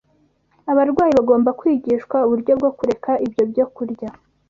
Abarwayi bagomba kwigishwa uburyo bwo kureka ibyo byokurya